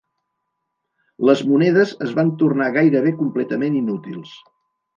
Les monedes es van tornar gairebé completament inútils.